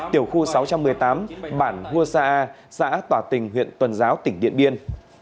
tiểu khu sáu trăm một mươi tám bản hua sa tỏa tình huyện tuần giáo tỉnh điện biên